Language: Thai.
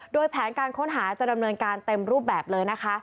โดยแผนการค้นหาจะดำเนินการเต็มรูปแบบเลยนะคะ